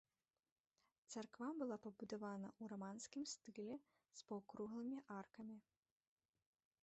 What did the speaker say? Царква была пабудавана ў раманскім стылі з паўкруглымі аркамі.